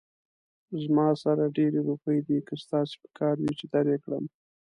زما سره ډېرې روپۍ دي، که ستاسې پکار وي، چې در يې کړم